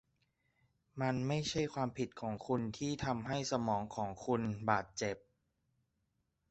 มันไม่ใช่ความผิดของคุณที่ทำให้สมองของคุณบาดเจ็บ